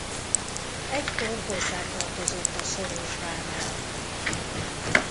Egykor hozzá tartozott a szoros vámja.